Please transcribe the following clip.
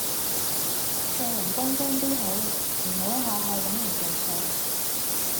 做人均真 D 好，唔好吓吓搵人着數